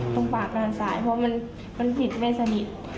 ตรงปากกลางสายเพราะมันปิดไม่สนิท